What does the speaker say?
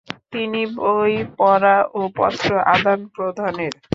তিনি বই পড়া ও পত্র আদান-প্রদানের